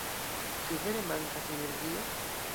Ĉu vere mankas energio?